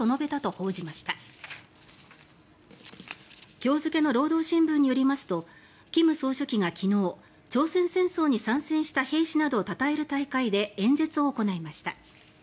今日付の労働新聞によりますと金総書記が昨日朝鮮戦争に参戦した兵士などをたたえる大会で演説を行いました。